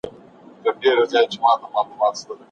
د نوي نظام له مخې د زده کوونکو د خلاقیت ملاتړ څنګه کیږي؟